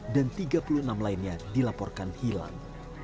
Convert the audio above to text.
dan tiga puluh enam lainnya dilaporkan hilang